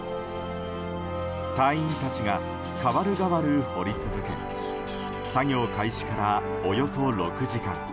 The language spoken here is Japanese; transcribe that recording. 隊員たちが代わる代わる掘り続け作業開始からおよそ６時間。